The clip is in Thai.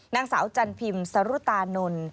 นางสาวจันพิมพ์สรุตานนท์